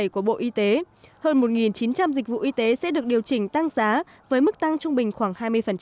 của bộ y tế hơn một chín trăm linh dịch vụ y tế sẽ được điều chỉnh tăng giá với mức tăng trung bình khoảng hai mươi